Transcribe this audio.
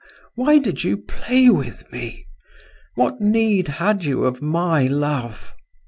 Why did you play with me?… What need had you of my love?"